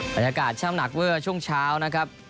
บรรยากาศช่ำหนักเมื่อช่วงเช้านะครับ